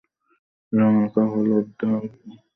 রং হালকা হলুদাভ সাদা।